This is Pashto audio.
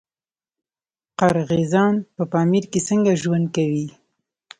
قرغیزان په پامیر کې څنګه ژوند کوي؟